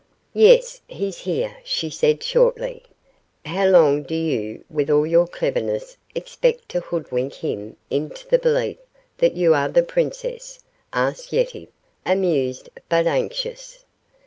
"Yes, he's here," she said shortly. "How long do you, with all your cleverness, expect to hoodwink him into the belief that you are the princess?" asked Yetive, amused but anxious.